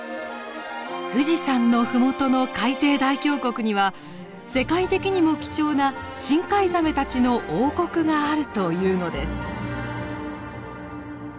富士山の麓の海底大峡谷には世界的にも貴重な深海ザメたちの王国があるというのです。